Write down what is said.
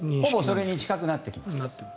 ほぼそれに近くなってきます。